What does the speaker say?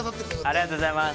◆ありがとうございます。